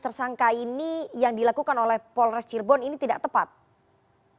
tersangka ini yang dilakukan oleh polres cirebon ini tidak tepat iya kalau dalam konteks undang undang